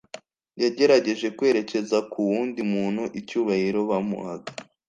Yagerageje kwerekeza ku wundi muntu icyubahiro bamuhaga'.